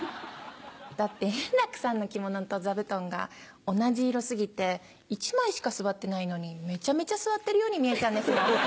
だって円楽さんの着物と座布団が同じ色過ぎて１枚しか座ってないのにめちゃめちゃ座ってるように見えちゃうんですもん。